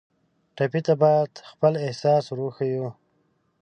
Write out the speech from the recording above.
ټپي ته باید خپل احساس ور وښیو.